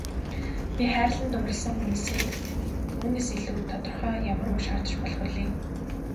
Би хайрлан дурласан хүнээсээ үүнээс илүү тодорхой ямар үг шаардаж болох билээ.